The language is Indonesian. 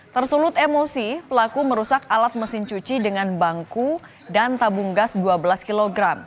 tersulut emosi pelaku merusak alat mesin cuci dengan bangku dan tabung gas dua belas kg